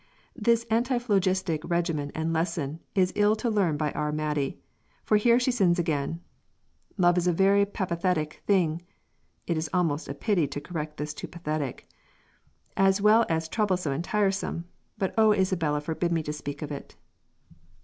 This antiphlogistic regimen and lesson is ill to learn by our Maidie, for here she sins again: "Love is a very papithatick thing" (it is almost a pity to correct this into pathetic), "as well as troublesome and tiresome but O Isabella forbid me to speak of it."